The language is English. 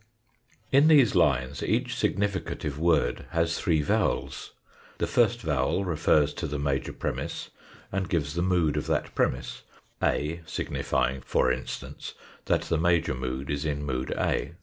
In these lines each significative word has three vowels, the first vowel refers to the major premiss, and gives the mood of that premiss, "a" signifying, for instance, that the major mood is in mood a.